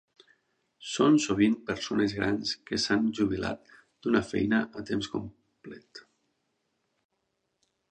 Són sovint persones grans que s'han jubilat d'una feina a temps complet.